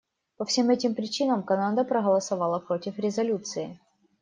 По всем этим причинам Канада проголосовала против резолюции.